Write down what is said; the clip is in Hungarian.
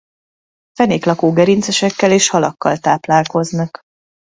Fenéklakó gerincesekkel és halakkal táplálkoznak.